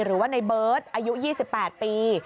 หรือว่าในเบิร์ตอายุ๒๘ปี